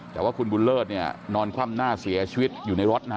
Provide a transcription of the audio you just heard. แต่ว่าคุณบุญเลิศเนี่ยนอนคว่ำหน้าเสียชีวิตอยู่ในรถนะฮะ